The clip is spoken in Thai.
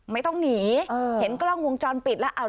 ไม่ต้องหนีเห็นกล้องวงจรปิดแล้ว